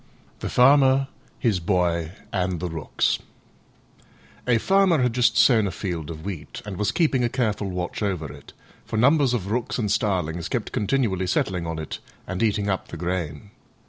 THE FARMER, HIS BOY, AND THE ROOKS A Farmer had just sown a field of wheat, and was keeping a careful watch over it, for numbers of Rooks and starlings kept continually settling on it and eating up the grain.